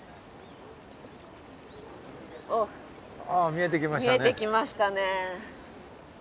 見えてきましたね。